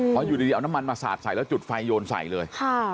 เพราะอยู่ดีเอาน้ำมันมาสาดใส่แล้วจุดไฟโยนใส่เลย